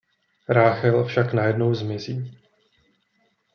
Rachel však najednou zmizí.